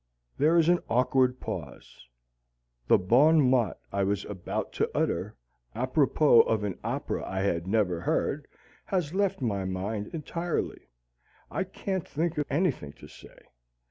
There is an awkward pause. The bon mot I was about to utter apropos of an opera I had never heard has left my mind entirely. I can't think of anything to say.